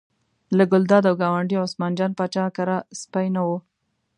له ګلداد او ګاونډي عثمان جان پاچا کره سپی نه و.